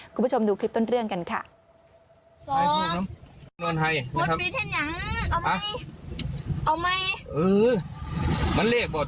คุณผู้ชมดูคลิปต้นเรื่องกันค่ะ